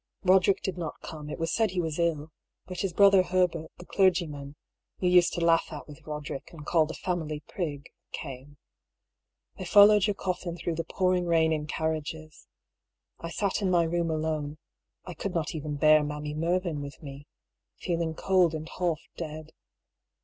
Boderick did not come, it was said he was ill ; but his brother Herbert, the clergyman, you used to laugh at to Roderick, and call the " family prig," came. They followed your coffin through the pouring rain in carriages. I sat in my room alone — I could not even bear Mammy Mervyn with me — ^feeling cold and half dead.